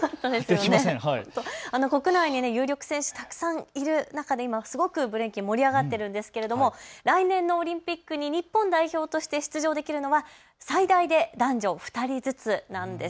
国内に有力選手たくさんいる中で今すごくブレイキン、盛り上がっているんですけれども来年のオリンピックに日本代表として出場できるのは最大で男女２人ずつなんです。